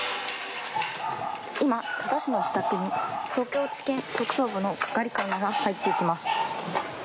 今、多田氏の自宅に東京地検特捜部の係官が入っていきます。